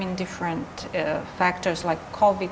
karena ada beberapa faktor seperti covid sembilan belas